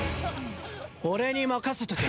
俺に任せとけ。